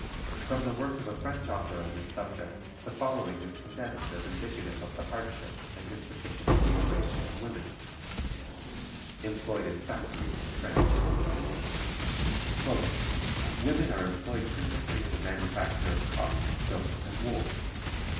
From the work of a French author on this subject the following is condensed as indicative of the hardships and insufficient remuneration of women employed in factories in France: "Women are employed principally in the manufacture of cotton, silk, and wool.